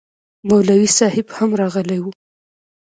مولوي صاحب هم راغلی و